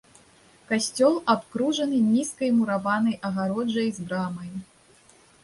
Касцёл абкружаны нізкай мураванай агароджай з брамай.